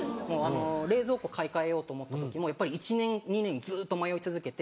冷蔵庫買い替えようと思った時もやっぱり１年２年ずっと迷い続けて。